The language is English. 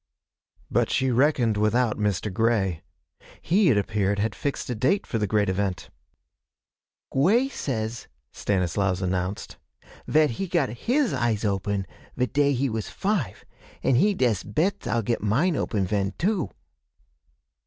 But she reckoned without Mr. Grey. He, it appeared, had fixed a date for the great event. 'Gwey says,' Stanislaus announced, 'vat he got his eyes open ve day he was five, an' he dest bets I'll get mine open ven too.'